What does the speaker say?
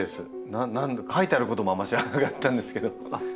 書いてあることもあんまり知らなかったんですけど。